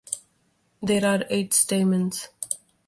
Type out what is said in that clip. There are eight stamens.